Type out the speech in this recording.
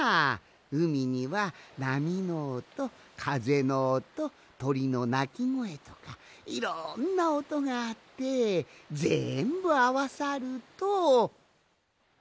うみにはなみのおとかぜのおととりのなきごえとかいろんなおとがあってぜんぶあわさるといいかんじ！